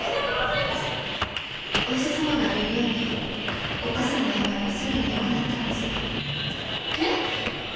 お医者様が言うようにおっ母さんの病はすぐによくなったんですがえっ！？